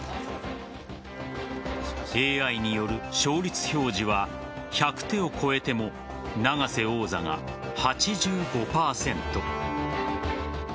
ＡＩによる勝率表示は１００手を超えても永瀬王座が８５％。